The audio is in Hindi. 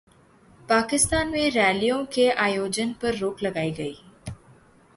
पाकिस्तान में रैलियों के आयोजन पर रोक लगाई गई